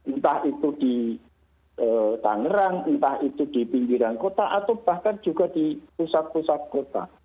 entah itu di tangerang entah itu di pinggiran kota atau bahkan juga di pusat pusat kota